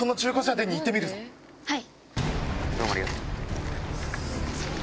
はい。